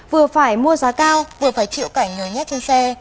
vừa phải mua giá cao vừa phải chịu cảnh nhồi nhét trên xe